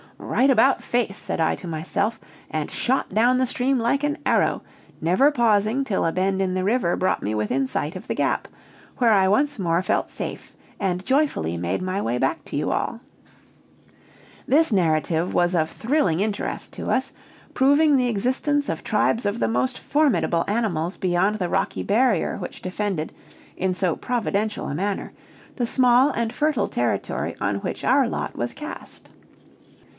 'Right about face!' said I to myself, and shot down the stream like an arrow, never pausing till a bend in the river brought me within sight of the Gap, where I once more felt safe, and joyfully made my way back to you all." This narrative was of thrilling interest to us, proving the existence of tribes of the most formidable animals beyond the rocky barrier which defended, in so providential a manner, the small and fertile territory on which our lot was cast.